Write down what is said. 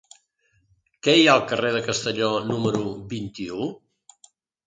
Què hi ha al carrer de Castelló número vint-i-u?